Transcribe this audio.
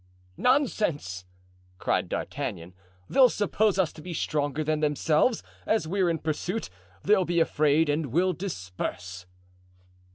"Nonsense!" cried D'Artagnan, "they'll suppose us to be stronger than themselves, as we're in pursuit; they'll be afraid and will disperse."